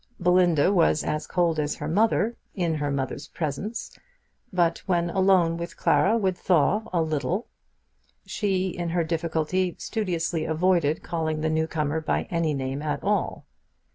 Belinda was as cold as her mother in her mother's presence; but when alone with Clara would thaw a little. She, in her difficulty, studiously avoided calling the new comer by any name at all.